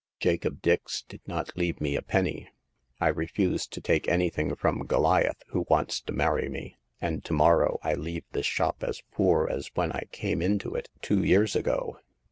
Jacob Dix did not leave me a penny. I refuse to take anything from Goliath, who wants to marry me ; and to morrow I leave this shop as poor as when I came into it two years ago.